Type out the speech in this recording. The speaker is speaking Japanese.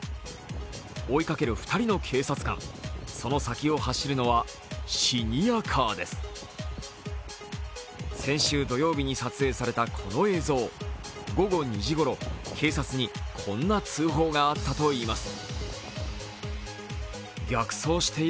追いかける２人の警察官その先を走るのは、シニアカーです先週土曜日に撮影された、この映像午後２時頃、警察にこんな通報があったといいます。